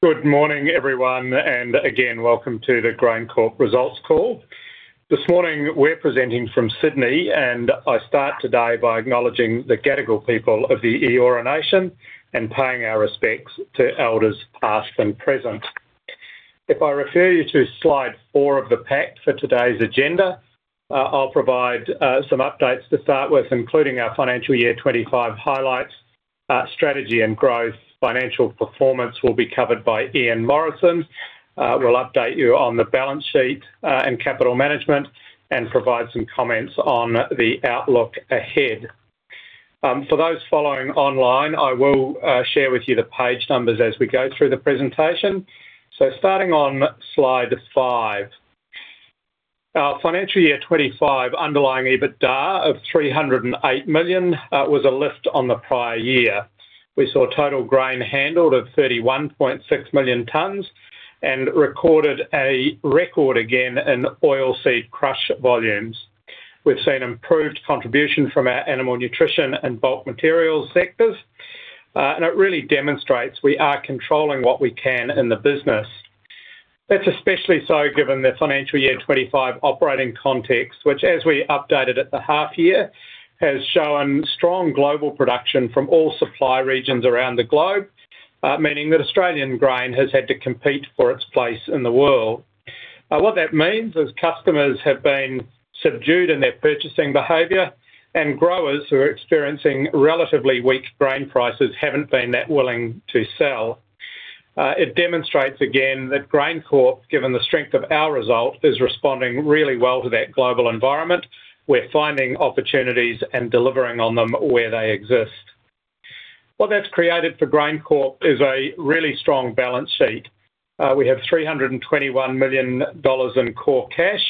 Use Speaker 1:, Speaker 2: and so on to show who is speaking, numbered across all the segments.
Speaker 1: Good morning, everyone, and again, welcome to the GrainCorp Results Call. This morning, we're presenting from Sydney, and I start today by acknowledging the Gadigal people of the Eora Nation and paying our respects to elders past and present. If I refer you to slide 4 of the pack for today's agenda, I'll provide some updates to start with, including our financial year 2025 highlights, strategy and growth, financial performance will be covered by Ian Morrison, will update you on the balance sheet and capital management, and provide some comments on the outlook ahead. For those following online, I will share with you the page numbers as we go through the presentation. Starting on slide 5, our financial year 2025 underlying EBITDA of 308 million was a lift on the prior year. We saw total grain handled of 31.6 million tons and recorded a record again in oilseed crush volumes. We've seen improved contribution from our animal nutrition and bulk materials sectors, and it really demonstrates we are controlling what we can in the business. That's especially so given the financial year 2025 operating context, which, as we updated at the half year, has shown strong global production from all supply regions around the globe, meaning that Australian grain has had to compete for its place in the world. What that means is customers have been subdued in their purchasing behaviour, and growers who are experiencing relatively weak grain prices have not been that willing to sell. It demonstrates again that GrainCorp, given the strength of our result, is responding really well to that global environment. We're finding opportunities and delivering on them where they exist. What that's created for GrainCorp is a really strong balance sheet. We have 321 million dollars in core cash,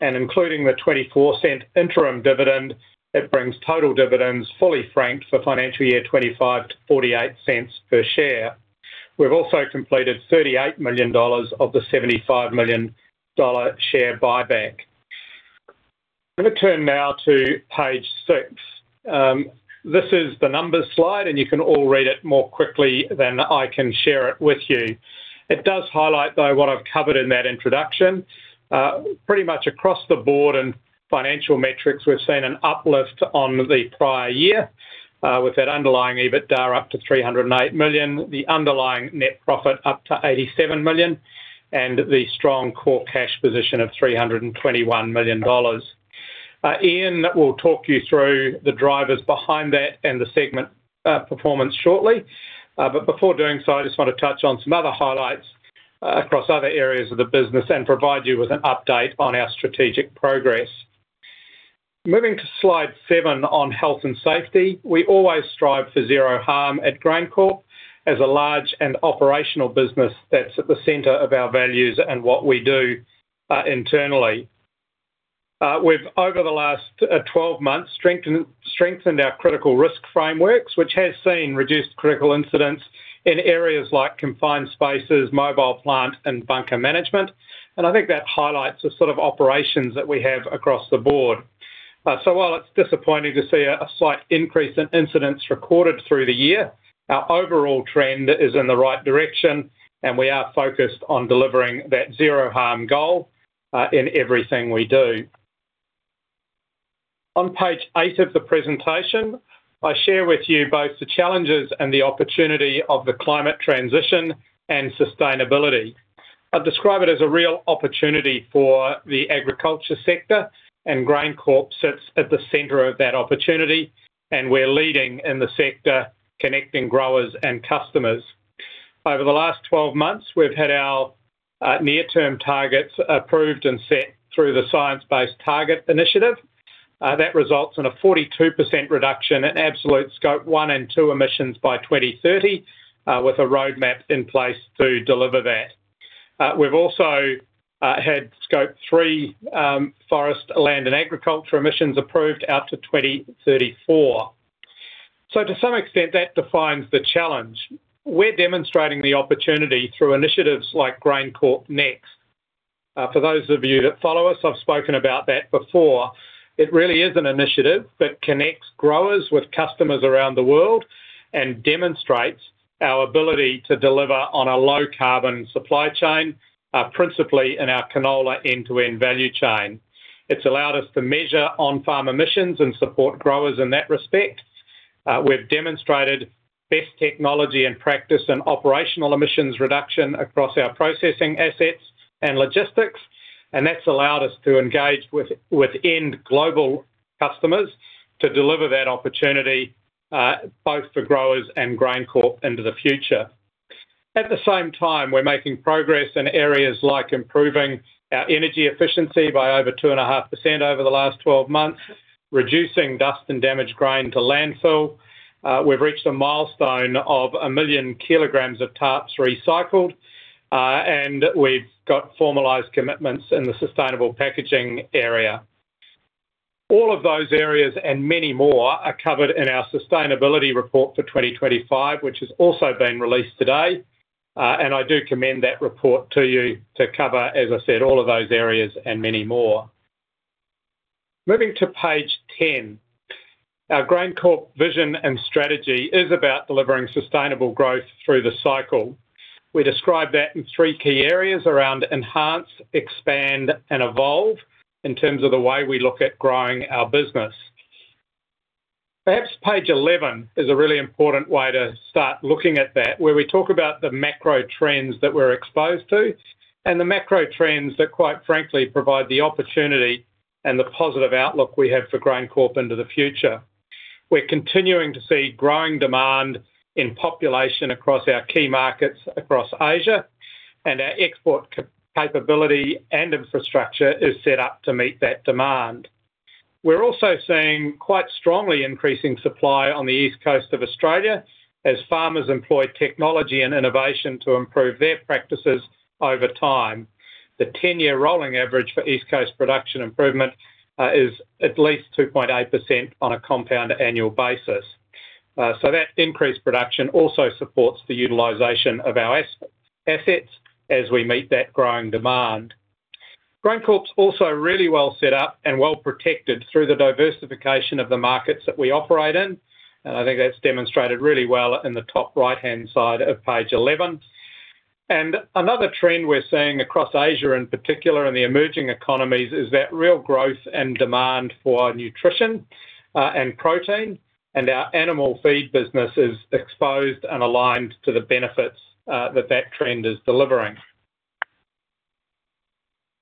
Speaker 1: and including the 0.24 interim dividend, it brings total dividends fully franked for financial year 2025 to 0.48 per share. We've also completed 38 million dollars of the 75 million dollar share buyback. I'm going to turn now to page 6. This is the numbers slide, and you can all read it more quickly than I can share it with you. It does highlight, though, what I've covered in that introduction. Pretty much across the board in financial metrics, we've seen an uplift on the prior year with that underlying EBITDA up to AUD 308 million, the underlying net profit up to AUD 87 million, and the strong core cash position of AUD 321 million. Ian will talk you through the drivers behind that and the segment performance shortly. Before doing so, I just want to touch on some other highlights across other areas of the business and provide you with an update on our strategic progress. Moving to slide 7 on health and safety, we always strive for zero harm at GrainCorp as a large and operational business. That is at the center of our values and what we do internally. Over the last 12 months, we have strengthened our critical risk frameworks, which has seen reduced critical incidents in areas like confined spaces, mobile plant, and bunker management. I think that highlights the sort of operations that we have across the board. While it is disappointing to see a slight increase in incidents recorded through the year, our overall trend is in the right direction, and we are focused on delivering that zero harm goal in everything we do. On page eight of the presentation, I share with you both the challenges and the opportunity of the climate transition and sustainability. I describe it as a real opportunity for the agriculture sector, and GrainCorp sits at the center of that opportunity, and we're leading in the sector connecting growers and customers. Over the last 12 months, we've had our near-term targets approved and set through the Science Based Target Initiative. That results in a 42% reduction in absolute scope 1 and 2 emissions by 2030, with a roadmap in place to deliver that. We've also had scope 3 forest, land, and agriculture emissions approved out to 2034. To some extent, that defines the challenge. We're demonstrating the opportunity through initiatives like GrainCorp Next. For those of you that follow us, I've spoken about that before. It really is an initiative that connects growers with customers around the world and demonstrates our ability to deliver on a low-carbon supply chain, principally in our canola end-to-end value chain. It's allowed us to measure on-farm emissions and support growers in that respect. We've demonstrated best technology and practice in operational emissions reduction across our processing assets and logistics, and that's allowed us to engage with end global customers to deliver that opportunity both for growers and GrainCorp into the future. At the same time, we're making progress in areas like improving our energy efficiency by over 2.5% over the last 12 months, reducing dust and damaged grain to landfill. We've reached a milestone of 1 million kg of tarps recycled, and we've got formalized commitments in the sustainable packaging area. All of those areas and many more are covered in our sustainability report for 2025, which has also been released today. I do commend that report to you to cover, as I said, all of those areas and many more. Moving to page 10, our GrainCorp vision and strategy is about delivering sustainable growth through the cycle. We describe that in three key areas around enhance, expand, and evolve in terms of the way we look at growing our business. Perhaps page 11 is a really important way to start looking at that, where we talk about the macro trends that we're exposed to and the macro trends that, quite frankly, provide the opportunity and the positive outlook we have for GrainCorp into the future. We're continuing to see growing demand in population across our key markets across Asia, and our export capability and infrastructure is set up to meet that demand. We're also seeing quite strongly increasing supply on the east coast of Australia as farmers employ technology and innovation to improve their practices over time. The 10-year rolling average for east coast production improvement is at least 2.8% on a compound annual basis. That increased production also supports the utilization of our assets as we meet that growing demand. GrainCorp's also really well set up and well protected through the diversification of the markets that we operate in. I think that's demonstrated really well in the top right-hand side of page 11. Another trend we're seeing across Asia, in particular in the emerging economies, is that real growth and demand for nutrition and protein, and our animal feed business is exposed and aligned to the benefits that that trend is delivering.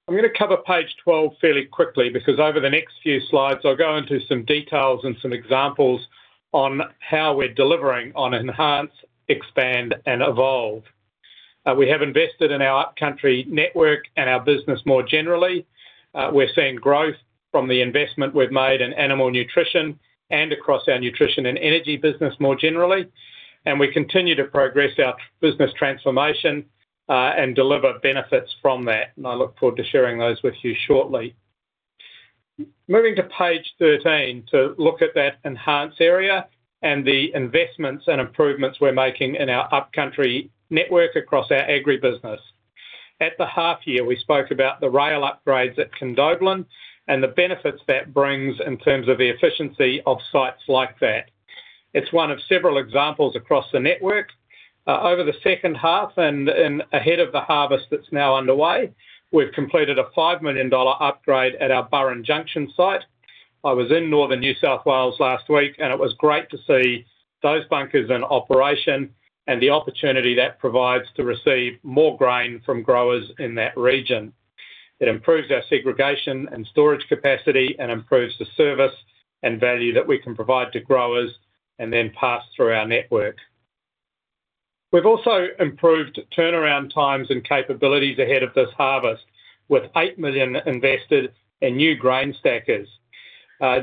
Speaker 1: I'm going to cover page 12 fairly quickly because over the next few slides, I'll go into some details and some examples on how we're delivering on enhance, expand, and evolve. We have invested in our upcountry network and our business more generally. We're seeing growth from the investment we've made in animal nutrition and across our nutrition and energy business more generally. We continue to progress our business transformation and deliver benefits from that. I look forward to sharing those with you shortly. Moving to page 13 to look at that enhance area and the investments and improvements we're making in our upcountry network across our agribusiness. At the half year, we spoke about the rail upgrades at Condoblin and the benefits that brings in terms of the efficiency of sites like that. It is one of several examples across the network. Over the second half and ahead of the harvest that is now underway, we have completed an 5 million dollar upgrade at our Burren Junction site. I was in Northern New South Wales last week, and it was great to see those bunkers in operation and the opportunity that provides to receive more grain from growers in that region. It improves our segregation and storage capacity and improves the service and value that we can provide to growers and then pass through our network. We have also improved turnaround times and capabilities ahead of this harvest with 8 million invested in new grain stackers.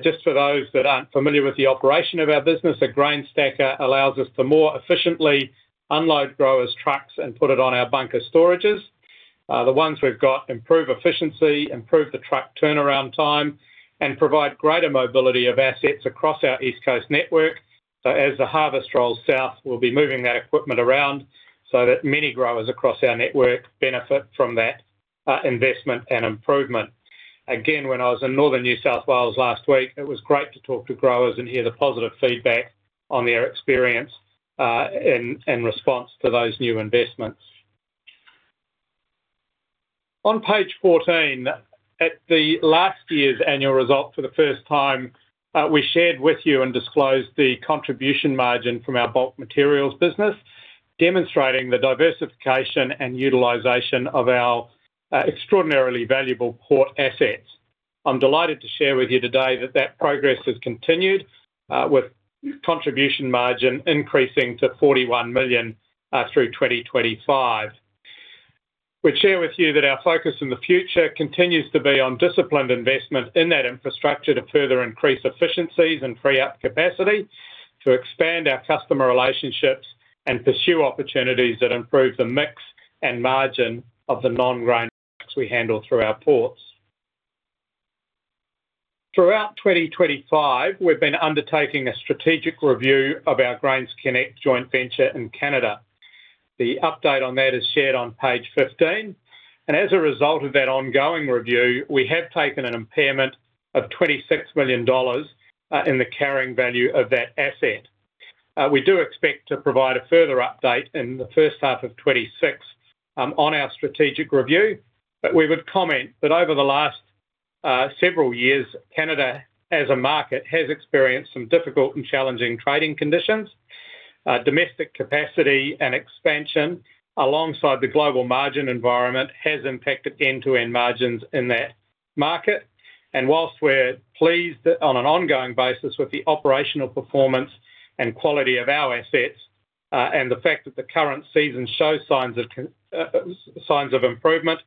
Speaker 1: Just for those that aren't familiar with the operation of our business, a grain stacker allows us to more efficiently unload growers' trucks and put it on our bunker storages. The ones we've got improve efficiency, improve the truck turnaround time, and provide greater mobility of assets across our East Coast network. As the harvest rolls south, we'll be moving that equipment around so that many growers across our network benefit from that investment and improvement. Again, when I was in Northern New South Wales last week, it was great to talk to growers and hear the positive feedback on their experience in response to those new investments. On page 14, at the last year's annual result, for the first time, we shared with you and disclosed the contribution margin from our bulk materials business, demonstrating the diversification and utilization of our extraordinarily valuable port assets. I'm delighted to share with you today that progress has continued with contribution margin increasing to 41 million through 2025. We'd share with you that our focus in the future continues to be on disciplined investment in that infrastructure to further increase efficiencies and free up capacity to expand our customer relationships and pursue opportunities that improve the mix and margin of the non-grain products we handle through our ports. Throughout 2025, we've been undertaking a strategic review of our GrainsConnect joint venture in Canada. The update on that is shared on page 15. As a result of that ongoing review, we have taken an impairment of 26 million dollars in the carrying value of that asset. We do expect to provide a further update in the first half of 2026 on our strategic review. We would comment that over the last several years, Canada as a market has experienced some difficult and challenging trading conditions. Domestic capacity and expansion alongside the global margin environment has impacted end-to-end margins in that market. Whilst we're pleased on an ongoing basis with the operational performance and quality of our assets and the fact that the current season shows signs of improvement,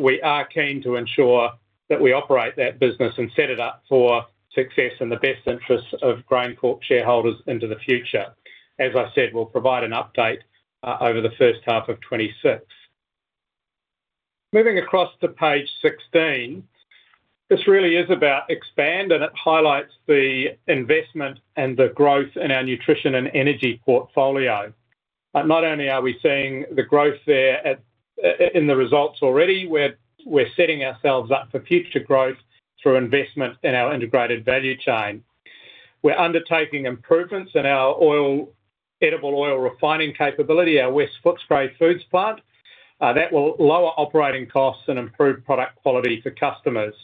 Speaker 1: we are keen to ensure that we operate that business and set it up for success in the best interests of GrainCorp shareholders into the future. As I said, we'll provide an update over the first half of 2026. Moving across to page 16, this really is about expand, and it highlights the investment and the growth in our nutrition and energy portfolio. Not only are we seeing the growth there in the results already, we are setting ourselves up for future growth through investment in our integrated value chain. We are undertaking improvements in our edible oil refining capability, our West Footscray Foods plant. That will lower operating costs and improve product quality for customers.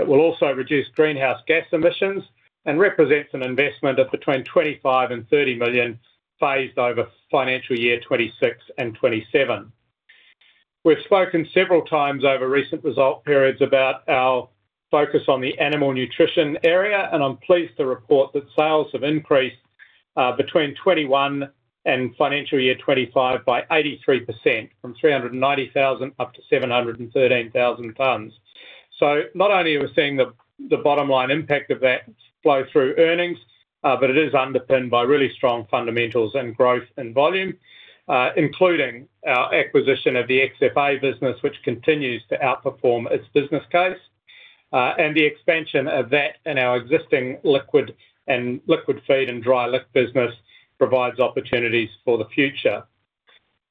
Speaker 1: It will also reduce greenhouse gas emissions and represents an investment of 25 million-30 million phased over financial year 2026 and 2027. We have spoken several times over recent result periods about our focus on the animal nutrition area, and I am pleased to report that sales have increased between 2021 and financial year 2025 by 83% from 390,000 tons up to 713,000 tons. Not only are we seeing the bottom line impact of that flow through earnings, but it is underpinned by really strong fundamentals and growth and volume, including our acquisition of the XFA business, which continues to outperform its business case. The expansion of that in our existing liquid and liquid feed and dry liquid business provides opportunities for the future.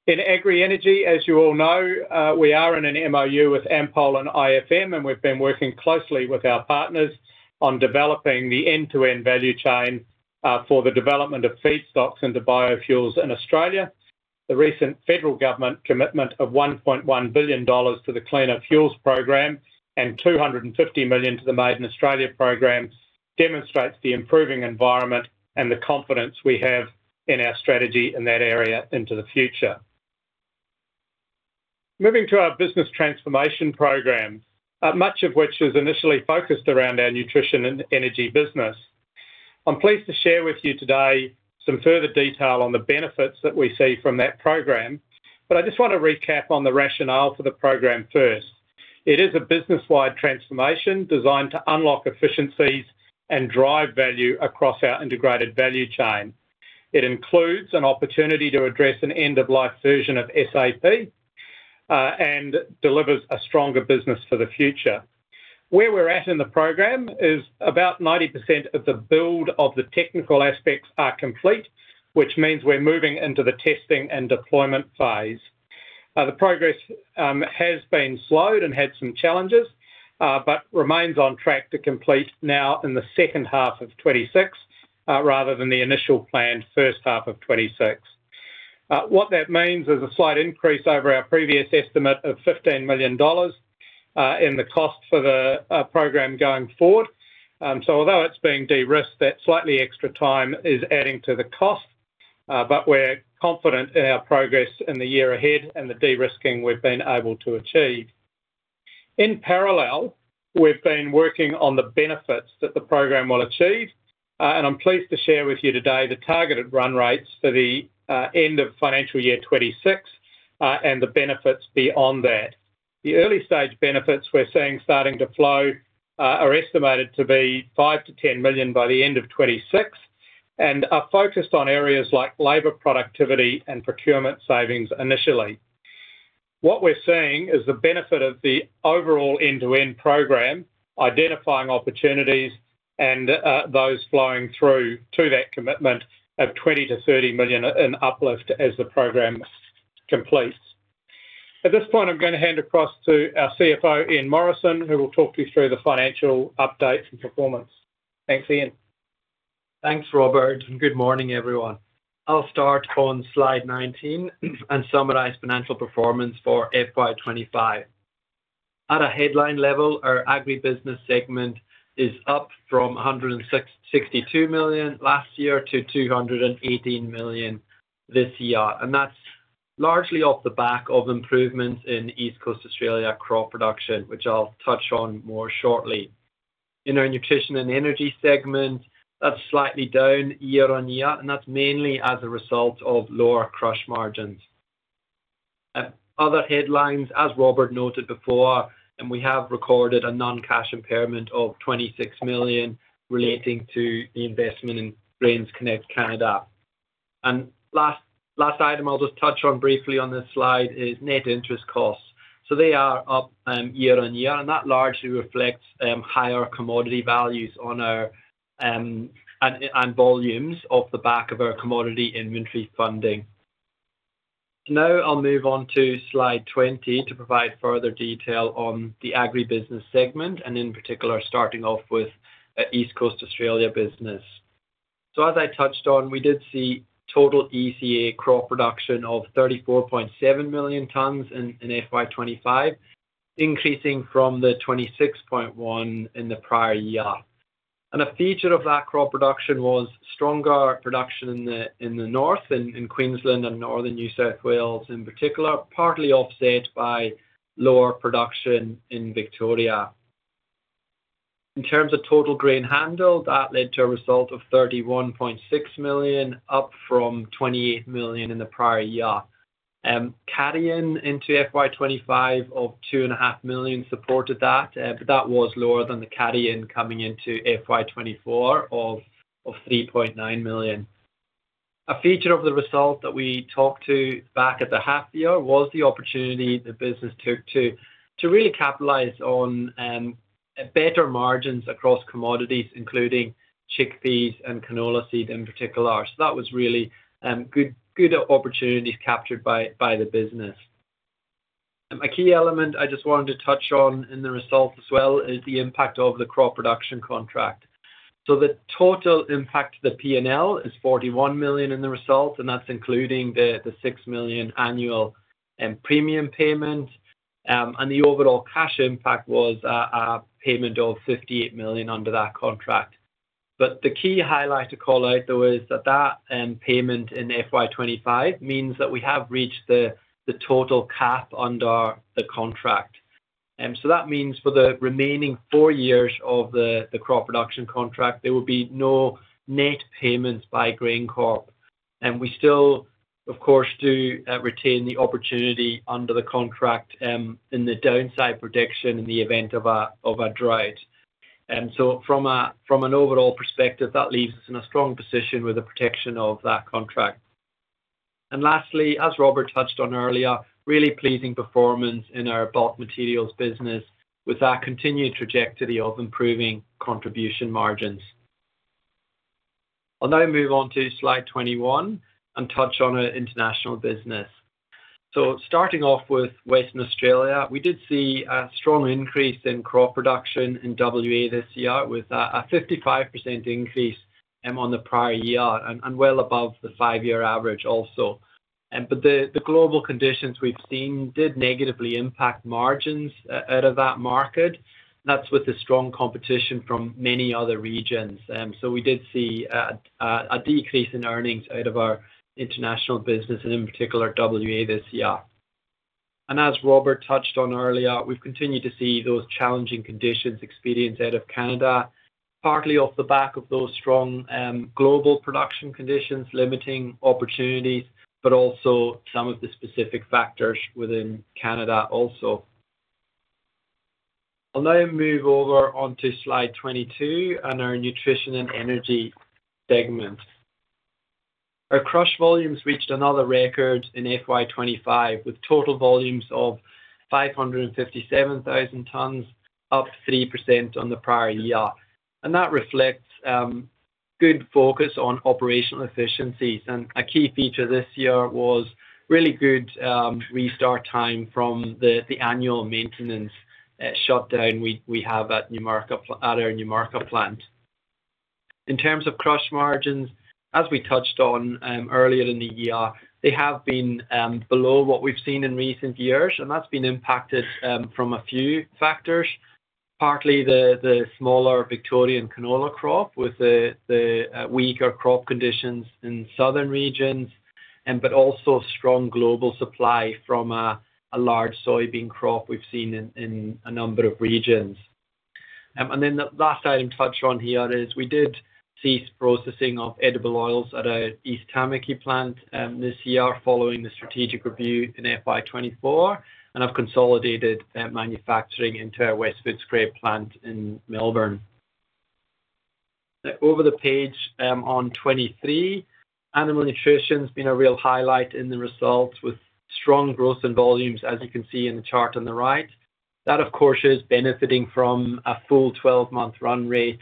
Speaker 1: In agri energy, as you all know, we are in an MOU with Ampol and IFM, and we have been working closely with our partners on developing the end-to-end value chain for the development of feedstocks into biofuels in Australia. The recent federal government commitment of 1.1 billion dollars to the Cleaner Fuels Program and 250 million to the Made in Australia Program demonstrates the improving environment and the confidence we have in our strategy in that area into the future. Moving to our business transformation program, much of which is initially focused around our nutrition and energy business. I'm pleased to share with you today some further detail on the benefits that we see from that program. I just want to recap on the rationale for the program first. It is a business-wide transformation designed to unlock efficiencies and drive value across our integrated value chain. It includes an opportunity to address an end-of-life version of SAP and delivers a stronger business for the future. Where we're at in the program is about 90% of the build of the technical aspects are complete, which means we're moving into the testing and deployment phase. The progress has been slowed and had some challenges but remains on track to complete now in the second half of 2026 rather than the initial planned first half of 2026. What that means is a slight increase over our previous estimate of 15 million dollars in the cost for the program going forward. Although it is being de-risked, that slightly extra time is adding to the cost, but we are confident in our progress in the year ahead and the de-risking we have been able to achieve. In parallel, we have been working on the benefits that the program will achieve. I am pleased to share with you today the targeted run rates for the end of financial year 2026 and the benefits beyond that. The early stage benefits we are seeing starting to flow are estimated to be 5 million-10 million by the end of 2026 and are focused on areas like labor productivity and procurement savings initially. What we're seeing is the benefit of the overall end-to-end program, identifying opportunities and those flowing through to that commitment of 20 million-30 million in uplift as the program completes. At this point, I'm going to hand across to our CFO, Ian Morrison, who will talk you through the financial update and performance. Thanks, Ian.
Speaker 2: Thanks, Robert. Good morning, everyone. I'll start on slide 19 and summarize financial performance for FY 2025. At a headline level, our agribusiness segment is up from 162 million last year to 218 million this year. That is largely off the back of improvements in East Coast Australia crop production, which I'll touch on more shortly. In our nutrition and energy segment, that is slightly down year-on-year, and that is mainly as a result of lower crush margins. Other headlines, as Robert noted before, we have recorded a non-cash impairment of 26 million relating to the investment in GrainsConnect Canada. The last item I'll just touch on briefly on this slide is net interest costs. They are up year-on-year, and that largely reflects higher commodity values and volumes off the back of our commodity inventory funding. Now I'll move on to slide 20 to provide further detail on the agribusiness segment, in particular, starting off with the East Coast Australia business. As I touched on, we did see total ECA crop production of 34.7 million tons in FY 2025, increasing from the 26.1 million tons in the prior year. A feature of that crop production was stronger production in the north, in Queensland and Northern New South Wales in particular, partly offset by lower production in Victoria. In terms of total grain handle, that led to a result of 31.6 million, up from 28 million in the prior year. Carry-in into FY 2025 of 2.5 million supported that, but that was lower than the carry-in coming into FY 2024 of 3.9 million. A feature of the result that we talked to back at the half year was the opportunity the business took to really capitalize on better margins across commodities, including chickpeas and canola seed in particular. That was really good opportunities captured by the business. A key element I just wanted to touch on in the result as well is the impact of the crop production contract. The total impact to the P&L is 41 million in the result, and that's including the 6 million annual premium payment. The overall cash impact was a payment of 58 million under that contract. The key highlight to call out, though, is that that payment in FY 2025 means that we have reached the total cap under the contract. That means for the remaining four years of the crop production contract, there will be no net payments by GrainCorp. We still, of course, do retain the opportunity under the contract in the downside prediction in the event of a drought. From an overall perspective, that leaves us in a strong position with the protection of that contract. Lastly, as Robert touched on earlier, really pleasing performance in our bulk materials business with our continued trajectory of improving contribution margins. I'll now move on to slide 21 and touch on our international business. Starting off with Western Australia, we did see a strong increase in crop production in WA this year with a 55% increase on the prior year and well above the 5-year average also. The global conditions we have seen did negatively impact margins out of that market. That is with the strong competition from many other regions. We did see a decrease in earnings out of our international business and in particular WA this year. As Robert touched on earlier, we have continued to see those challenging conditions experienced out of Canada, partly off the back of those strong global production conditions limiting opportunities, but also some of the specific factors within Canada also. I will now move over on to slide 22 and our nutrition and energy segment. Our crush volumes reached another record FY 2025 with total volumes of 557,000 tons, up 3% on the prior year. That reflects good focus on operational efficiencies. A key feature this year was really good restart time from the annual maintenance shutdown we have at our Numurkah plant. In terms of crush margins, as we touched on earlier in the year, they have been below what we've seen in recent years, and that's been impacted from a few factors, partly the smaller Victorian canola crop with the weaker crop conditions in southern regions, but also strong global supply from a large soybean crop we've seen in a number of regions. The last item touched on here is we did cease processing of edible oils at our East Tamaki plant this year following the strategic review in FY 2024, and I have consolidated manufacturing into our West Footscray plant in Melbourne. Over the page on 23, animal nutrition has been a real highlight in the results with strong growth and volumes, as you can see in the chart on the right. That, of course, is benefiting from a full 12-month run rate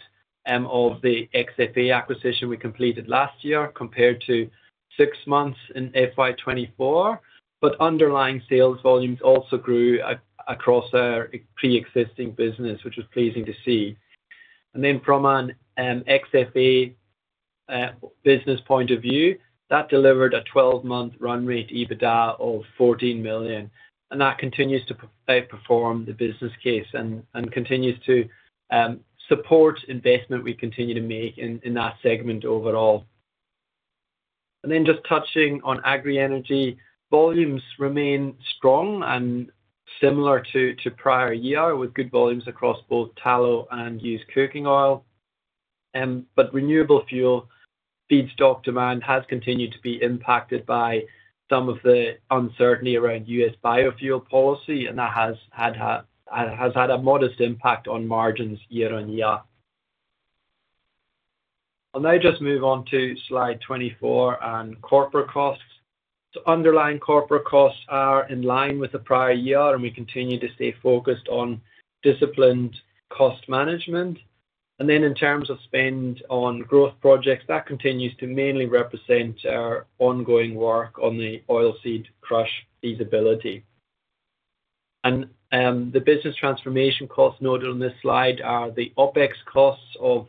Speaker 2: of the XFA acquisition we completed last year compared to six months FY 2024, but underlying sales volumes also grew across our pre-existing business, which was pleasing to see. From an XFA business point of view, that delivered a 12-month run rate EBITDA of 14 million. That continues to outperform the business case and continues to support investment we continue to make in that segment overall. Just touching on agri energy, volumes remain strong and similar to prior year with good volumes across both tallow and used cooking oil. Renewable fuel feedstock demand has continued to be impacted by some of the uncertainty around US biofuel policy, and that has had a modest impact on margins year-on-year. I'll now just move on to slide 24 and corporate costs. Underlying corporate costs are in line with the prior year, and we continue to stay focused on disciplined cost management. In terms of spend on growth projects, that continues to mainly represent our ongoing work on the oilseed crush feasibility. The business transformation costs noted on this slide are the OpEx costs of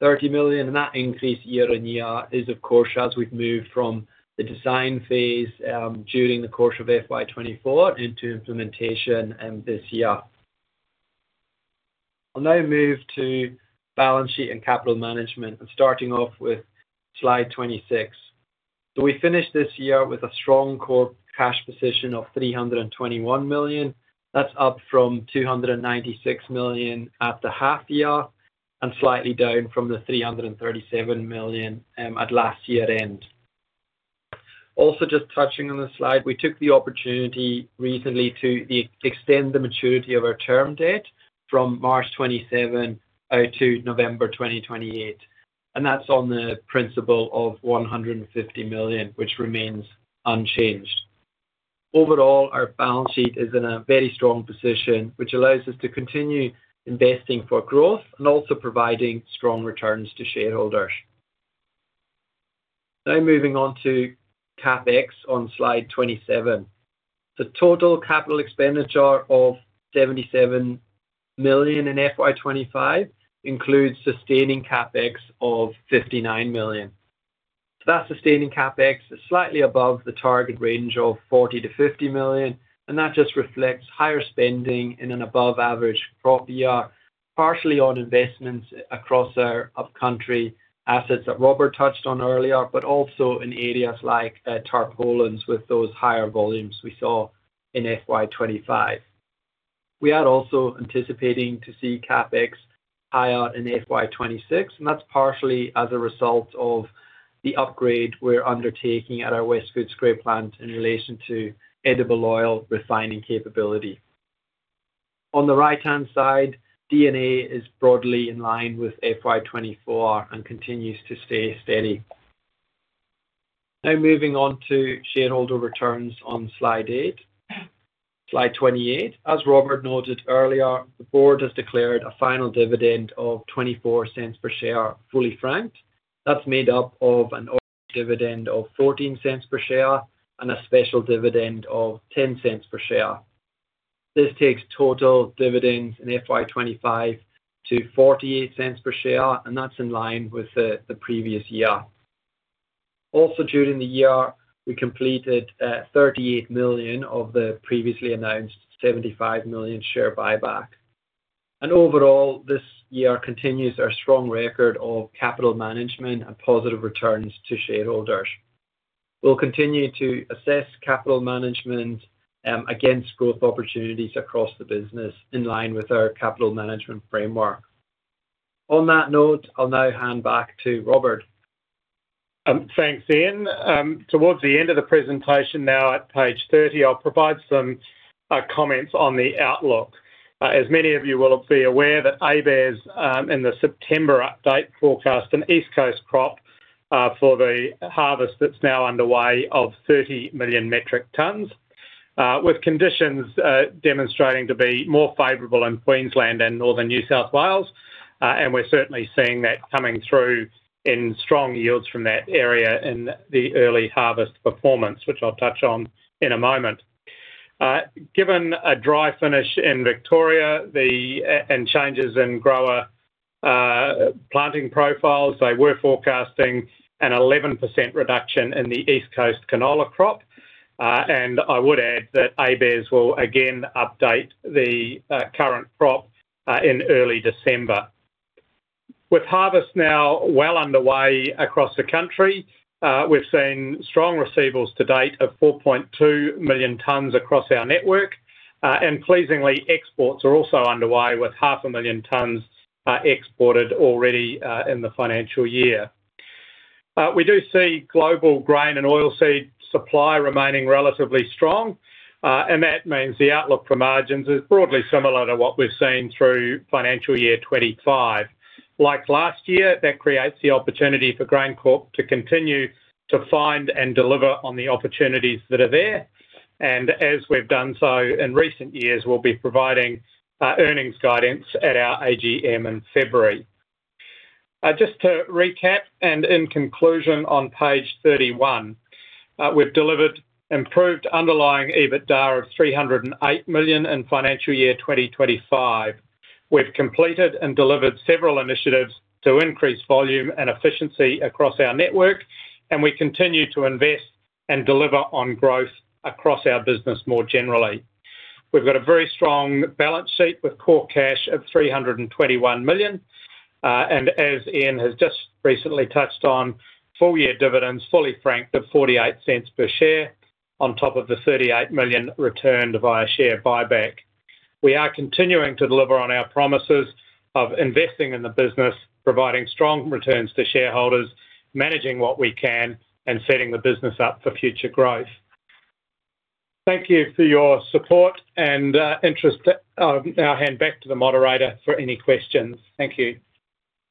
Speaker 2: 30 million, and that increase year-on-year is, of course, as we've moved from the design phase during the course of FY 2024 into implementation this year. I'll now move to balance sheet and capital management, starting off with slide 26. We finished this year with a strong core cash position of 321 million. That's up from 296 million at the half year and slightly down from the 337 million at last year's end. Also, just touching on this slide, we took the opportunity recently to extend the maturity of our term date from March 27 out to November 2028. That's on the principal of 150 million, which remains unchanged. Overall, our balance sheet is in a very strong position, which allows us to continue investing for growth and also providing strong returns to shareholders. Now moving on to CapEx on slide 27. The total capital expenditure of 77 million FY 2025 includes sustaining CapEx of 59 million. That sustaining CapEx is slightly above the target range of 40 million-50 million, and that just reflects higher spending in an above-average crop year, partially on investments across our upcountry assets that Robert touched on earlier, but also in areas like Tarr Poland with those higher volumes we saw FY 2025. we are also anticipating to see CapEx higher FY 2026, and that's partially as a result of the upgrade we're undertaking at our West Footscray plant in relation to edible oil refining capability. On the right-hand side, D&A is broadly in line FY 2024 and continues to stay steady. Now moving on to shareholder returns on slide 28. As Robert noted earlier, the board has declared a final dividend of 0.24 per share, fully franked. That's made up of an ordinary dividend of 0.14 per share and a special dividend of 0.10 per share. This takes total dividends FY 2025 to aud 0.48 per share, and that's in line with the previous year. Also, during the year, we completed 38 million of the previously announced 75 million share buyback. Overall, this year continues our strong record of capital management and positive returns to shareholders. We will continue to assess capital management against growth opportunities across the business in line with our capital management framework. On that note, I'll now hand back to Robert.
Speaker 1: Thanks, Ian. Towards the end of the presentation, now at page 30, I'll provide some comments on the outlook. As many of you will be aware, the ABARES in the September update forecast an East Coast crop for the harvest that's now underway of 30 million metric tons, with conditions demonstrating to be more favorable in Queensland and Northern New South Wales. We are certainly seeing that coming through in strong yields from that area in the early harvest performance, which I'll touch on in a moment. Given a dry finish in Victoria and changes in grower planting profiles, they were forecasting an 11% reduction in the East Coast canola crop. I would add that ABARES will again update the current crop in early December. With harvest now well underway across the country, we have seen strong receivables to date of 4.2 million tons across our network. Pleasingly, exports are also underway with 500,000 tons exported already in the financial year. We do see global grain and oilseed supply remaining relatively strong, and that means the outlook for margins is broadly similar to what we have seen through financial year 2025. Like last year, that creates the opportunity for GrainCorp to continue to find and deliver on the opportunities that are there. As we've done so in recent years, we'll be providing earnings guidance at our AGM in February. Just to recap and in conclusion on page 31, we've delivered improved underlying EBITDA of 308 million in financial year 2025. We've completed and delivered several initiatives to increase volume and efficiency across our network, and we continue to invest and deliver on growth across our business more generally. We've got a very strong balance sheet with core cash of 321 million. As Ian has just recently touched on, full-year dividends, fully franked, of 0.48 per share on top of the 38 million returned via share buyback. We are continuing to deliver on our promises of investing in the business, providing strong returns to shareholders, managing what we can, and setting the business up for future growth. Thank you for your support and interest. I'll now hand back to the moderator for any questions.
Speaker 3: Thank you.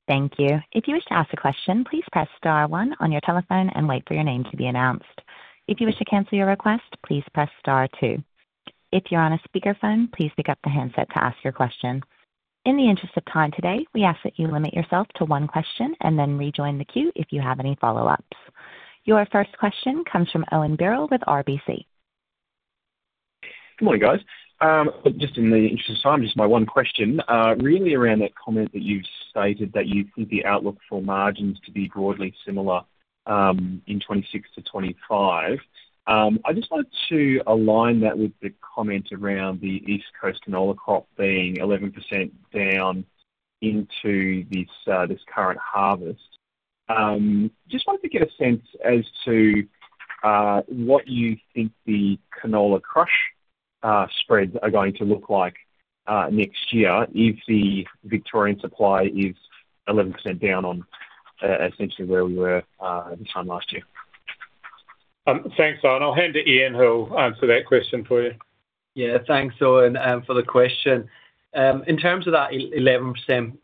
Speaker 3: If you wish to ask a question, please press star one on your telephone and wait for your name to be announced. If you wish to cancel your request, please press star two. If you're on a speakerphone, please pick up the handset to ask your question. In the interest of time today, we ask that you limit yourself to one question and then rejoin the queue if you have any follow-ups. Your first question comes from Owen Birrell with RBC.
Speaker 4: Good morning, guys. Just in the interest of time, just my one question, really around that comment that you stated that you see the outlook for margins to be broadly similar in 2026 to 2025. I just wanted to align that with the comment around the East Coast canola crop being 11% down into this current harvest. Just wanted to get a sense as to what you think the canola crush spreads are going to look like next year if the Victorian supply is 11% down on essentially where we were this time last year.
Speaker 1: Thanks, Owen. I'll hand to Ian, who'll answer that question for you.
Speaker 2: Yeah, thanks, Owen, for the question. In terms of that 11%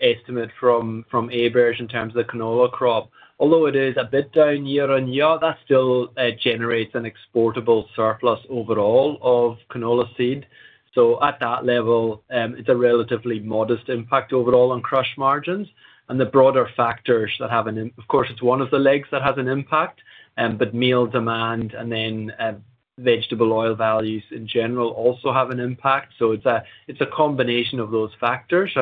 Speaker 2: estimate from ABARES in terms of the canola crop, although it is a bit down year-on-year, that still generates an exportable surplus overall of canola seed. At that level, it's a relatively modest impact overall on crush margins. The broader factors that have an impact, of course, it's one of the legs that has an impact, but meal demand and then vegetable oil values in general also have an impact. It's a combination of those factors.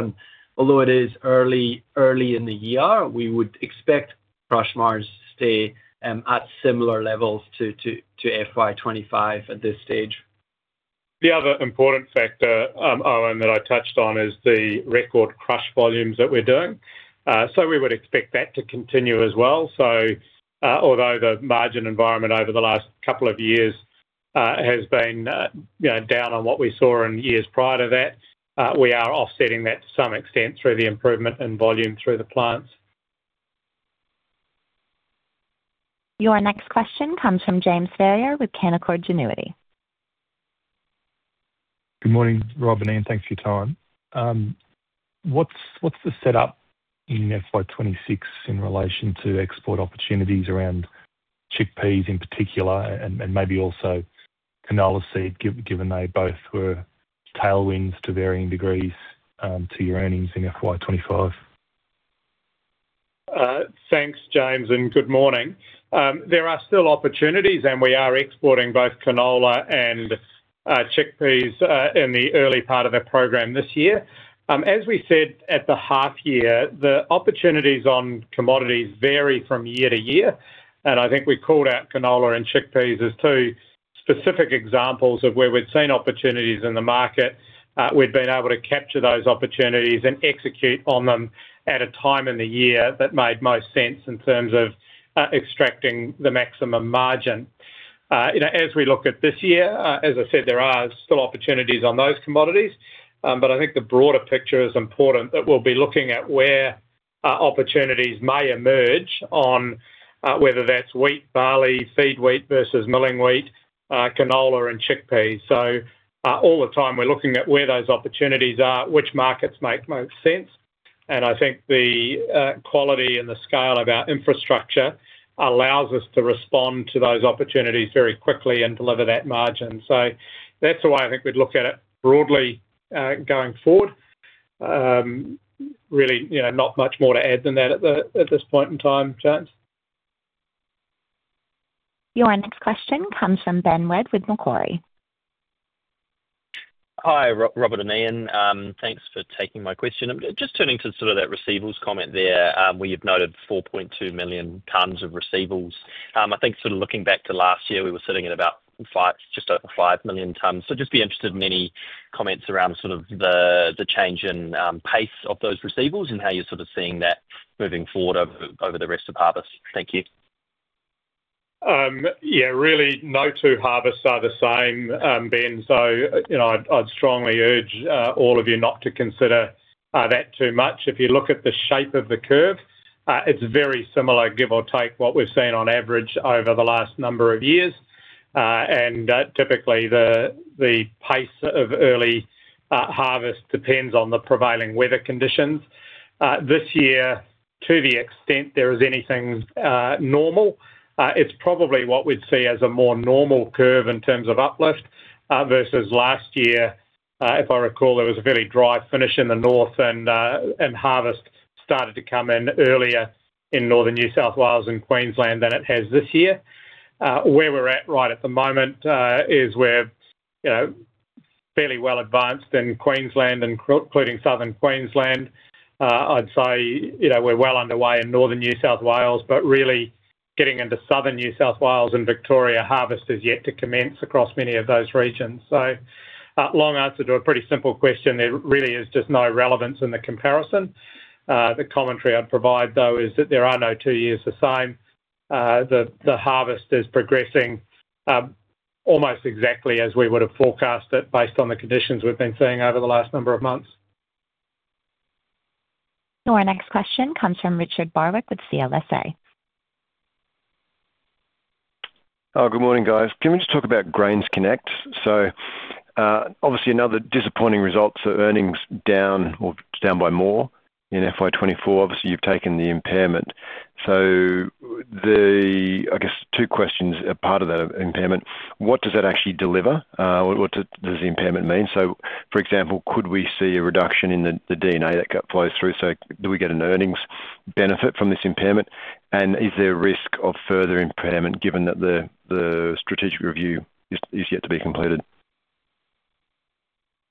Speaker 2: Although it is early in the year, we would expect crush margins to stay at similar levels FY 2025 at this stage.
Speaker 1: The other important factor, Owen, that I touched on is the record crush volumes that we're doing. We would expect that to continue as well. Although the margin environment over the last couple of years has been down on what we saw in years prior to that, we are offsetting that to some extent through the improvement in volume through the plants.
Speaker 3: Your next question comes from James Ferrier with Canaccord Genuity.
Speaker 5: Good morning, Robert and Ian. Thanks for your time. What's the setup FY 2026 in relation to export opportunities around chickpeas in particular, and maybe also canola seed, given they both were tailwinds to varying degrees to your earnings in FY 2025?
Speaker 1: Thanks, James, and good morning. There are still opportunities, and we are exporting both canola and chickpeas in the early part of the program this year. As we said at the half year, the opportunities on commodities vary from year to year. I think we called out canola and chickpeas as two specific examples of where we'd seen opportunities in the market. We'd been able to capture those opportunities and execute on them at a time in the year that made most sense in terms of extracting the maximum margin. As we look at this year, as I said, there are still opportunities on those commodities, but I think the broader picture is important that we'll be looking at where opportunities may emerge on whether that's wheat, barley, feed wheat versus milling wheat, canola, and chickpeas. All the time, we're looking at where those opportunities are, which markets make most sense. I think the quality and the scale of our infrastructure allows us to respond to those opportunities very quickly and deliver that margin. That's the way I think we'd look at it broadly going forward. Really not much more to add than that at this point in time, James.
Speaker 3: Your next question comes from Ben Wedd with Macquarie.
Speaker 6: Hi, Robert and Ian. Thanks for taking my question. Just turning to sort of that receivables comment there, where you've noted 4.2 million tons of receivables. I think sort of looking back to last year, we were sitting at about just over 5 million tons. So just be interested in any comments around sort of the change in pace of those receivables and how you're sort of seeing that moving forward over the rest of harvest. Thank you.
Speaker 1: Yeah, really no two harvests are the same, Ben. I’d strongly urge all of you not to consider that too much. If you look at the shape of the curve, it's very similar, give or take, what we've seen on average over the last number of years. Typically, the pace of early harvest depends on the prevailing weather conditions. This year, to the extent there is anything normal, it's probably what we'd see as a more normal curve in terms of uplift versus last year. If I recall, there was a fairly dry finish in the north, and harvest started to come in earlier in Northern New South Wales and Queensland than it has this year. Where we are at right at the moment is we are fairly well advanced in Queensland and including Southern Queensland. I would say we are well underway in Northern New South Wales, but really getting into Southern New South Wales and Victoria, harvest has yet to commence across many of those regions. Long answer to a pretty simple question, there really is just no relevance in the comparison. The commentary I would provide, though, is that there are no two years the same. The harvest is progressing almost exactly as we would have forecast it based on the conditions we have been seeing over the last number of months.
Speaker 3: Your next question comes from Richard Barwick with CLSA. Good morning, guys.
Speaker 7: Can we just talk about GrainsConnect? Obviously, another disappointing result, so earnings down or down by more in FY 2024. Obviously, you've taken the impairment. I guess two questions are part of that impairment. What does that actually deliver? What does the impairment mean? For example, could we see a reduction in the D&A that flows through? Do we get an earnings benefit from this impairment? Is there a risk of further impairment given that the strategic review is yet to be completed?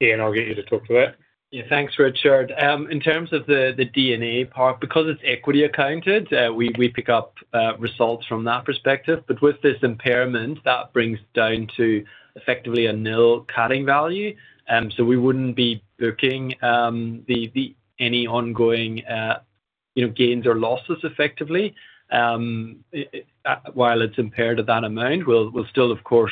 Speaker 1: Ian, I'll get you to talk to that.
Speaker 2: Yeah, thanks, Richard. In terms of the D&A part, because it's equity accounted, we pick up results from that perspective. With this impairment, that brings down to effectively a nil carrying value. We wouldn't be booking any ongoing gains or losses effectively while it's impaired at that amount. We'll still, of course,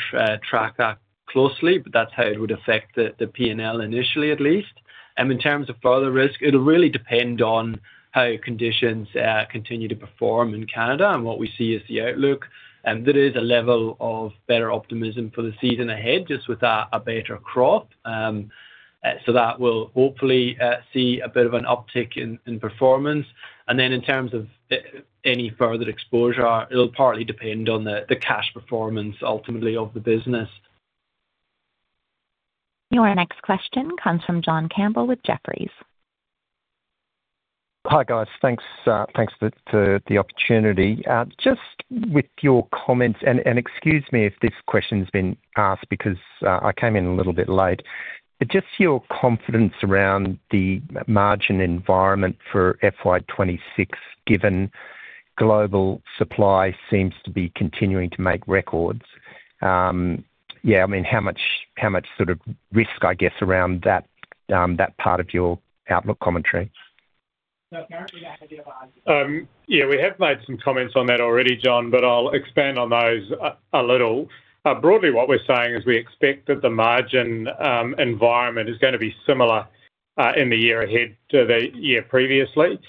Speaker 2: track that closely, but that's how it would affect the P&L initially, at least. In terms of further risk, it'll really depend on how conditions continue to perform in Canada and what we see as the outlook. There is a level of better optimism for the season ahead, just with a better crop. That will hopefully see a bit of an uptick in performance. In terms of any further exposure, it'll partly depend on the cash performance, ultimately, of the business.
Speaker 3: Your next question comes from John Campbell with Jefferies.
Speaker 8: Hi, guys. Thanks for the opportunity. Just with your comments, and excuse me if this question's been asked because I came in a little bit late, just your confidence around the margin environment FY 2026, given global supply seems to be continuing to make records. Yeah, I mean, how much sort of risk, I guess, around that part of your outlook commentary?
Speaker 1: Yeah, we have made some comments on that already, John, but I'll expand on those a little. Broadly, what we're saying is we expect that the margin environment is going to be similar in the year ahead to the year previously.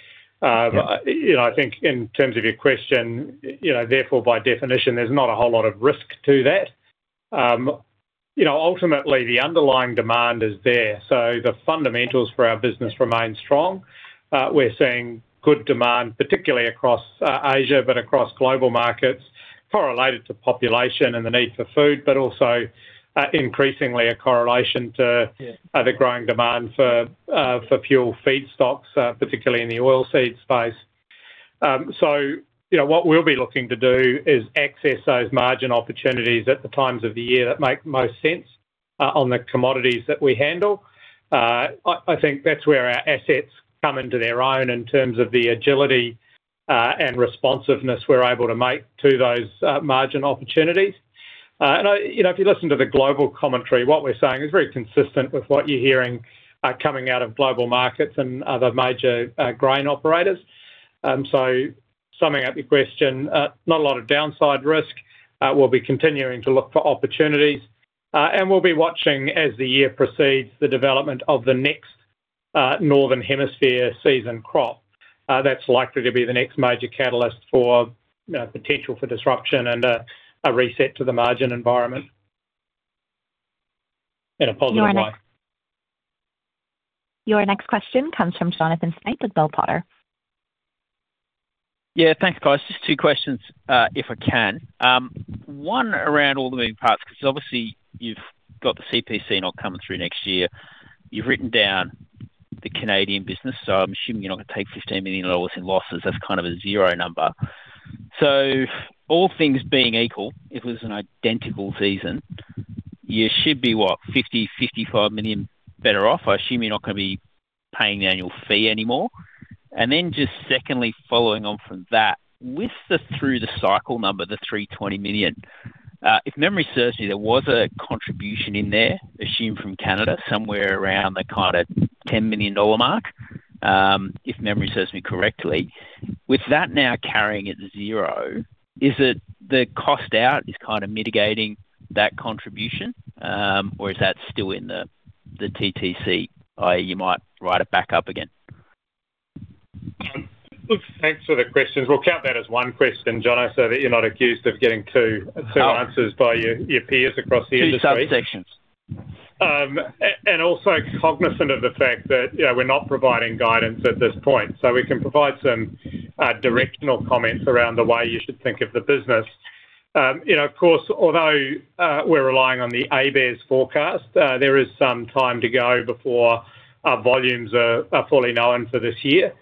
Speaker 1: I think in terms of your question, therefore, by definition, there's not a whole lot of risk to that. Ultimately, the underlying demand is there. So the fundamentals for our business remain strong. We're seeing good demand, particularly across Asia, but across global markets, correlated to population and the need for food, but also increasingly a correlation to the growing demand for fuel feed stocks, particularly in the oilseed space. What we'll be looking to do is access those margin opportunities at the times of the year that make most sense on the commodities that we handle. I think that's where our assets come into their own in terms of the agility and responsiveness we're able to make to those margin opportunities. If you listen to the global commentary, what we're saying is very consistent with what you're hearing coming out of global markets and other major grain operators. Summing up your question, not a lot of downside risk. We'll be continuing to look for opportunities. We'll be watching as the year proceeds, the development of the next northern hemisphere season crop. That's likely to be the next major catalyst for potential for disruption and a reset to the margin environment in a positive way.
Speaker 3: Your next question comes from Jonathan Snape with Bell Potter.
Speaker 9: Yeah, thanks, guys. Just two questions, if I can. One around all the moving parts, because obviously, you've got the CPC not coming through next year. You've written down the Canadian business, so I'm assuming you're not going to take 15 million dollars in losses. That's kind of a zero number. So all things being equal, if it was an identical season, you should be what, 50 million-55 million better off? I assume you're not going to be paying the annual fee anymore. And then just secondly, following on from that, with the through-the-cycle number, the 320 million, if memory serves me, there was a contribution in there, assumed from Canada, somewhere around the kind of 10 million dollar mark, if memory serves me correctly. With that now carrying at zero, is it the cost out is kind of mitigating that contribution, or is that still in the TTC, i.e., you might write it back up again?
Speaker 1: Thanks for the questions. We'll count that as one question, Jonathan, so that you're not accused of getting two answers by your peers across the industry.
Speaker 9: Two subsections.
Speaker 1: Also cognizant of the fact that we're not providing guidance at this point. We can provide some directional comments around the way you should think of the business. Of course, although we're relying on the ABARES forecast, there is some time to go before volumes are fully known for this year.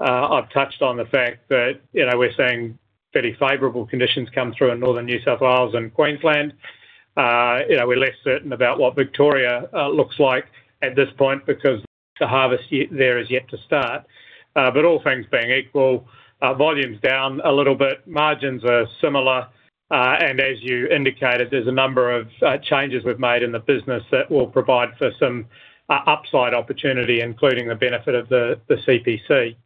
Speaker 1: I've touched on the fact that we're seeing fairly favorable conditions come through in Northern New South Wales and Queensland. We're less certain about what Victoria looks like at this point because the harvest there is yet to start. All things being equal, volumes down a little bit, margins are similar. As you indicated, there's a number of changes we've made in the business that will provide for some upside opportunity, including the benefit of the CPC.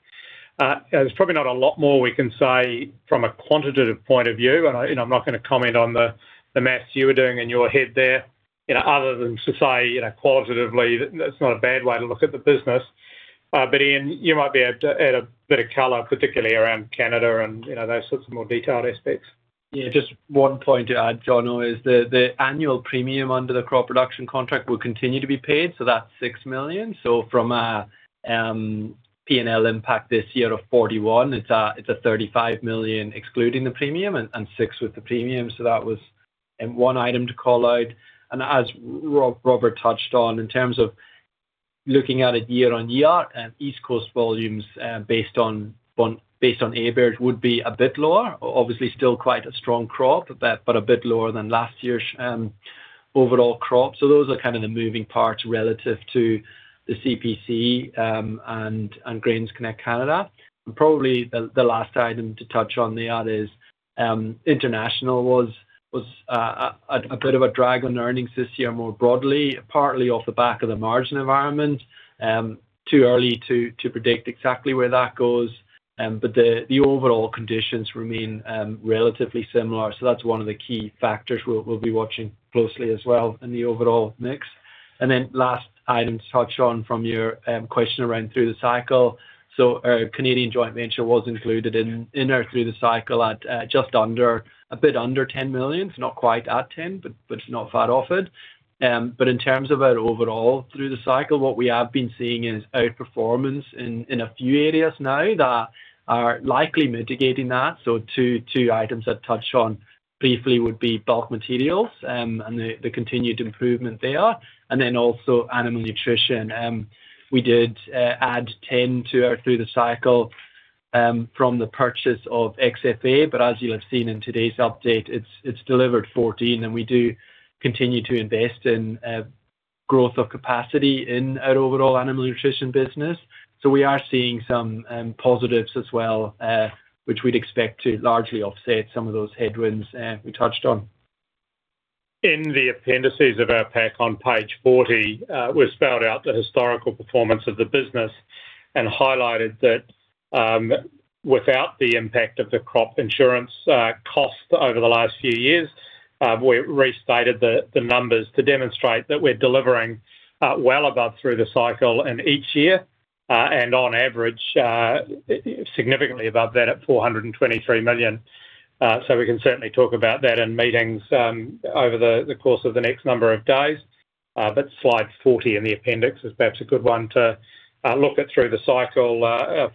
Speaker 1: There's probably not a lot more we can say from a quantitative point of view. I'm not going to comment on the maths you were doing in your head there, other than to say qualitatively, that's not a bad way to look at the business. Ian, you might be able to add a bit of color, particularly around Canada and those sorts of more detailed aspects.
Speaker 2: Yeah, just one point to add, Jon, is the annual premium under the crop production contract will continue to be paid. That's 6 million. From a P&L impact this year of 41 million, it's 35 million excluding the premium and 6 with the premium. That was one item to call out. As Robert touched on, in terms of looking at it year-on-year, East Coast volumes based on ABARES would be a bit lower. Obviously, still quite a strong crop, but a bit lower than last year's overall crop. Those are kind of the moving parts relative to the CPC and GrainsConnect Canada. Probably the last item to touch on there is international was a bit of a drag on earnings this year more broadly, partly off the back of the margin environment. Too early to predict exactly where that goes. The overall conditions remain relatively similar. That's one of the key factors we'll be watching closely as well in the overall mix. The last item to touch on from your question around through the cycle: the Canadian joint venture was included in our through-the-cycle at just under, a bit under 10 million. It's not quite at 10, but it's not far off it. In terms of our overall through-the-cycle, what we have been seeing is outperformance in a few areas now that are likely mitigating that. Two items I'd touch on briefly would be bulk materials and the continued improvement there, and also animal nutrition. We did add 10 to our through-the-cycle from the purchase of XFA, but as you'll have seen in today's update, it's delivered 14. We do continue to invest in growth of capacity in our overall animal nutrition business. We are seeing some positives as well, which we'd expect to largely offset some of those headwinds we touched on.
Speaker 1: In the appendices of our pack on page 40, we spelled out the historical performance of the business and highlighted that without the impact of the crop insurance costs over the last few years, we restated the numbers to demonstrate that we're delivering well above through-the-cycle in each year and on average significantly above that at 423 million. We can certainly talk about that in meetings over the course of the next number of days. Slide 40 in the appendix is perhaps a good one to look at through the cycle,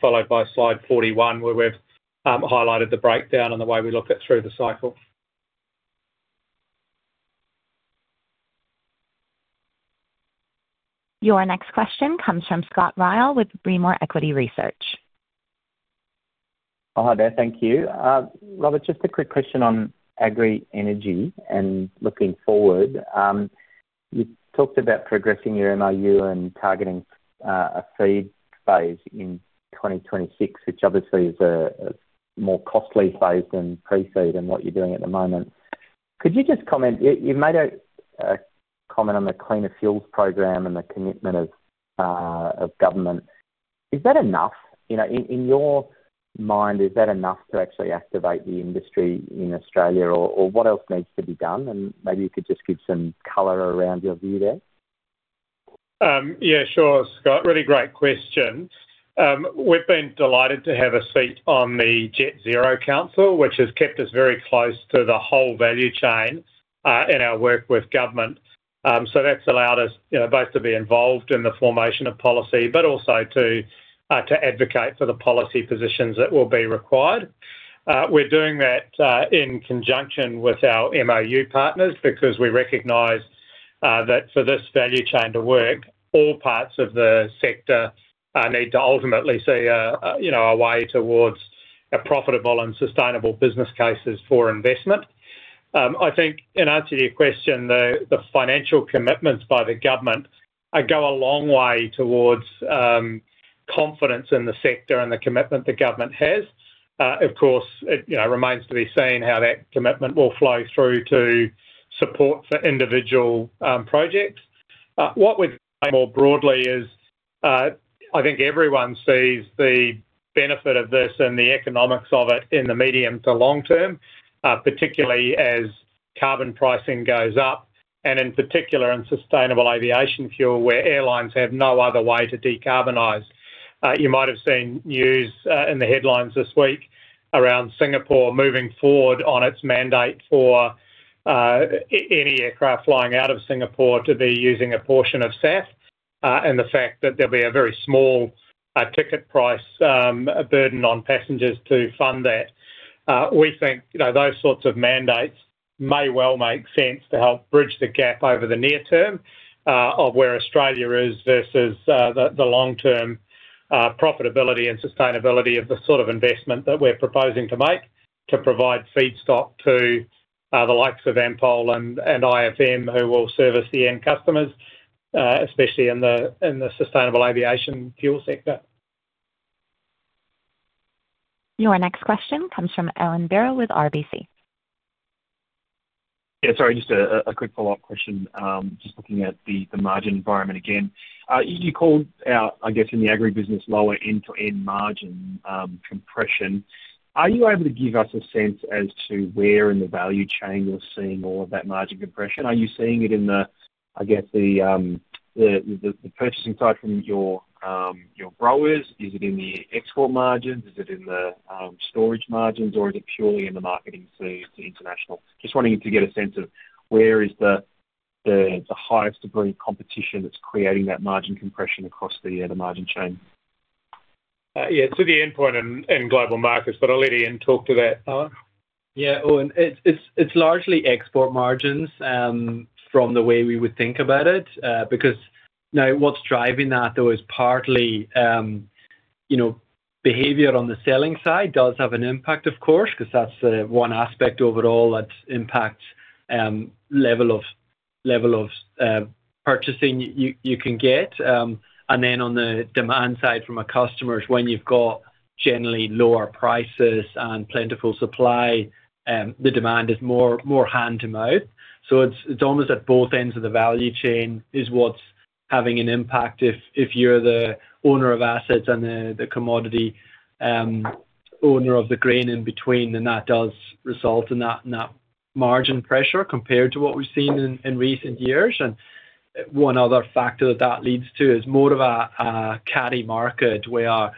Speaker 1: followed by slide 41, where we've highlighted the breakdown and the way we look at through-the-cycle.
Speaker 3: Your next question comes from Scott Ryall with Rimor Equity Research.
Speaker 10: Hi there. Thank you. Robert, just a quick question on agri-energy and looking forward. You talked about progressing your MOU and targeting a feed phase in 2026, which obviously is a more costly phase than pre-feed and what you're doing at the moment. Could you just comment? You've made a comment on the cleaner fuels program and the commitment of government. Is that enough? In your mind, is that enough to actually activate the industry in Australia? Or what else needs to be done? Maybe you could just give some color around your view there.
Speaker 1: Yeah, sure, Scott. Really great question. We've been delighted to have a seat on the Jet Zero Council, which has kept us very close to the whole value chain in our work with government. That has allowed us both to be involved in the formation of policy, but also to advocate for the policy positions that will be required. We are doing that in conjunction with our MOU partners because we recognize that for this value chain to work, all parts of the sector need to ultimately see a way towards profitable and sustainable business cases for investment. I think in answer to your question, the financial commitments by the government go a long way towards confidence in the sector and the commitment the government has. Of course, it remains to be seen how that commitment will flow through to support for individual projects. What we are seeing more broadly is I think everyone sees the benefit of this and the economics of it in the medium to long term, particularly as carbon pricing goes up. In particular, in sustainable aviation fuel, where airlines have no other way to decarbonize. You might have seen news in the headlines this week around Singapore moving forward on its mandate for any aircraft flying out of Singapore to be using a portion of SAF and the fact that there will be a very small ticket price burden on passengers to fund that. We think those sorts of mandates may well make sense to help bridge the gap over the near term of where Australia is versus the long-term profitability and sustainability of the sort of investment that we are proposing to make to provide feedstock to the likes of Ampol and IFM, who will service the end customers, especially in the sustainable aviation fuel sector.
Speaker 3: Your next question comes from Owen Birrell with RBC.
Speaker 4: Yeah, sorry, just a quick follow-up question. Just looking at the margin environment again. You called out, I guess, in the agri-business lower end-to-end margin compression. Are you able to give us a sense as to where in the value chain you're seeing all of that margin compression? Are you seeing it in the, I guess, the purchasing side from your growers? Is it in the export margins? Is it in the storage margins? Or is it purely in the marketing to international? Just wanting to get a sense of where is the highest degree of competition that's creating that margin compression across the margin chain.
Speaker 1: Yeah, to the end point in global markets, but I'll let Ian talk to that.
Speaker 2: Yeah, it's largely export margins from the way we would think about it. Because now what's driving that, though, is partly behavior on the selling side does have an impact, of course, because that's one aspect overall that impacts level of purchasing you can get. Then on the demand side from our customers, when you've got generally lower prices and plentiful supply, the demand is more hand-to-mouth. It's almost at both ends of the value chain is what's having an impact. If you're the owner of assets and the commodity owner of the grain in between, that does result in that margin pressure compared to what we've seen in recent years. One other factor that leads to is more of a carry market where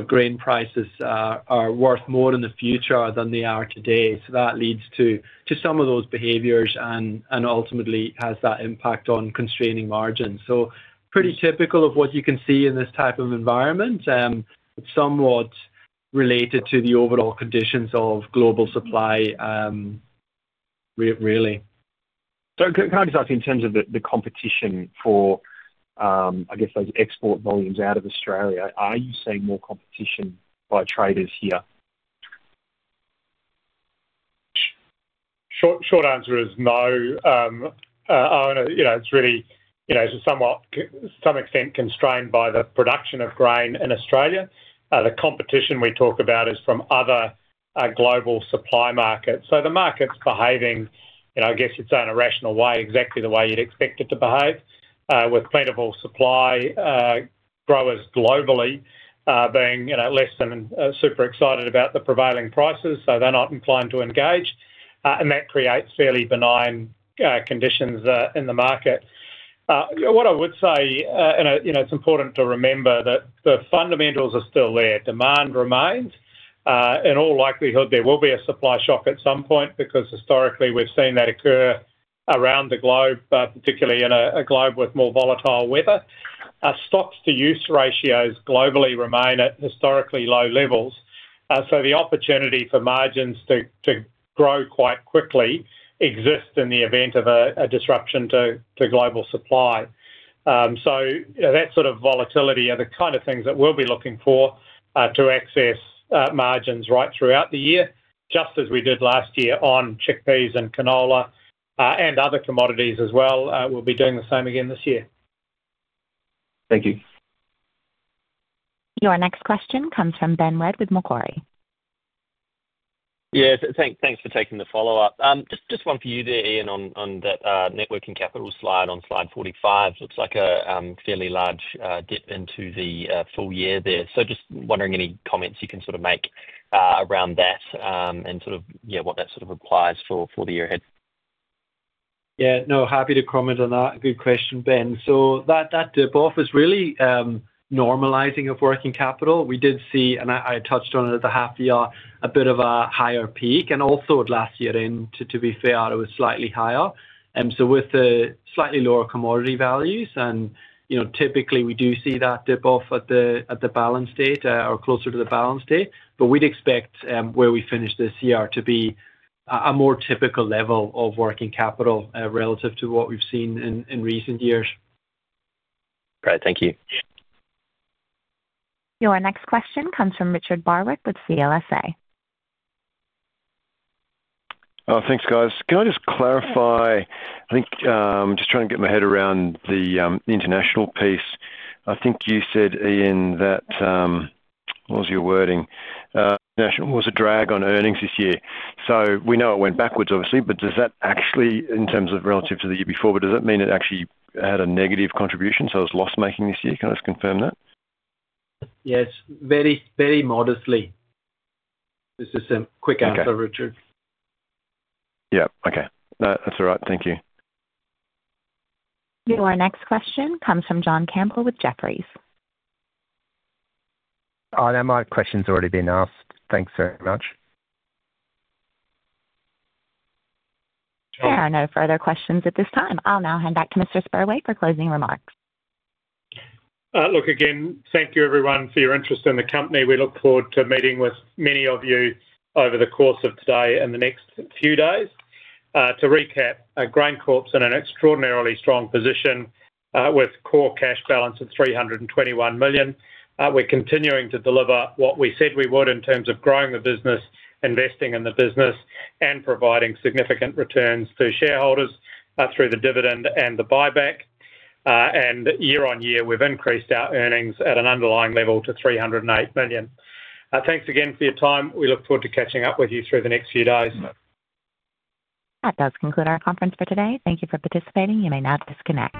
Speaker 2: grain prices are worth more in the future than they are today. That leads to some of those behaviors and ultimately has that impact on constraining margins. Pretty typical of what you can see in this type of environment. It's somewhat related to the overall conditions of global supply, really.
Speaker 4: Can I just ask you in terms of the competition for, I guess, those export volumes out of Australia, are you seeing more competition by traders here?
Speaker 1: Short answer is no. Oh, and it's really to some extent constrained by the production of grain in Australia. The competition we talk about is from other global supply markets. The market's behaving, I guess you'd say, in a rational way, exactly the way you'd expect it to behave, with plentiful supply, growers globally being less than super excited about the prevailing prices. They're not inclined to engage. That creates fairly benign conditions in the market. What I would say, and it's important to remember that the fundamentals are still there. Demand remains. In all likelihood, there will be a supply shock at some point because historically we've seen that occur around the globe, particularly in a globe with more volatile weather. Stocks-to-use ratios globally remain at historically low levels. The opportunity for margins to grow quite quickly exists in the event of a disruption to global supply. That sort of volatility is the kind of thing that we'll be looking for to access margins right throughout the year, just as we did last year on chickpeas and canola and other commodities as well. We'll be doing the same again this year.
Speaker 4: Thank you.
Speaker 3: Your next question comes from Ben Wedd with Macquarie.
Speaker 6: Yeah, thanks for taking the follow-up. Just one for you there, Ian, on that networking capital slide on slide 45. Looks like a fairly large dip into the full year there. Just wondering any comments you can sort of make around that and sort of, yeah, what that sort of applies for the year ahead.
Speaker 2: Yeah, no, happy to comment on that. Good question, Ben. That dip off is really normalizing of working capital. We did see, and I touched on it at the half year, a bit of a higher peak. Also last year, to be fair, it was slightly higher. With the slightly lower commodity values. Typically we do see that dip off at the balance date or closer to the balance date. We'd expect where we finish this year to be a more typical level of working capital relative to what we've seen in recent years.
Speaker 6: Great, thank you.
Speaker 3: Your next question comes from Richard Barwick with CLSA.
Speaker 7: Thanks, guys. Can I just clarify? I think I'm just trying to get my head around the international piece. I think you said, Ian, that what was your wording? International was a drag on earnings this year. We know it went backwards, obviously, in terms of relative to the year before, but does that mean it actually had a negative contribution? It was loss-making this year? Can I just confirm that?
Speaker 2: Yes, very modestly. This is a quick answer, Richard.
Speaker 7: Yeah, okay. That's all right. Thank you.
Speaker 3: Your next question comes from John Campbell with Jefferies.
Speaker 8: Have my questions already been asked? Thanks very much.
Speaker 3: There are no further questions at this time. I'll now hand back to Mr. Spurway for closing remarks.
Speaker 1: Look again, thank you everyone for your interest in the company. We look forward to meeting with many of you over the course of today and the next few days. To recap, GrainCorp is in an extraordinarily strong position with core cash balance of 321 million. We are continuing to deliver what we said we would in terms of growing the business, investing in the business, and providing significant returns to shareholders through the dividend and the buyback. year-on-year, we have increased our earnings at an underlying level to 308 million. Thanks again for your time. We look forward to catching up with you through the next few days.
Speaker 3: That does conclude our conference for today. Thank you for participating. You may now disconnect.